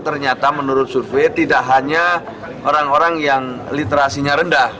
ternyata menurut survei tidak hanya orang orang yang literasinya rendah